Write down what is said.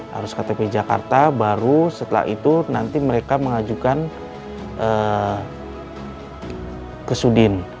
harus ktp jakarta baru setelah itu nanti mereka mengajukan ke sudin